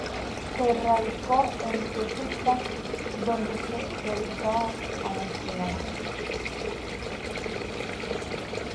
Se radicó en Tupiza, donde se dedicaba a la enseñanza.